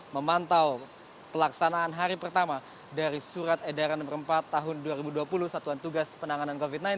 memantau pelaksanaan hari pertama dari surat edaran no empat tahun dua ribu dua puluh satuan tugas penanganan covid sembilan belas